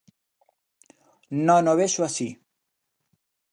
Non o vexo así.